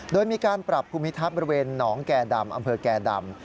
โดยมีการปรับภูมิทัศน์บริเวณหนองแก่ดำอำเภอแก่ดำ